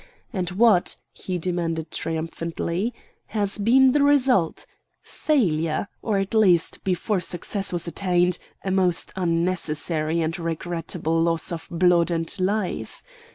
And what," he demanded triumphantly, "has been the result? Failure, or at least, before success was attained, a most unnecessary and regrettable loss of blood and life.